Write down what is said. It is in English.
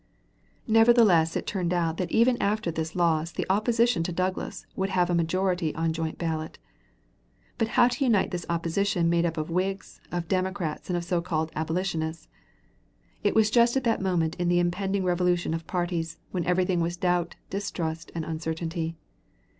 Nevertheless it turned out that even after this loss the opposition to Douglas would have a majority on joint ballot. But how unite this opposition made up of Whigs, of Democrats, and of so called abolitionists? It was just at that moment in the impending revolution of parties when everything was doubt, distrust, uncertainty.